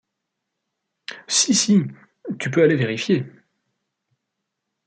Si, si : tu peux aller vérifier.